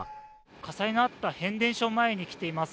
火災のあった変電所前に来ています。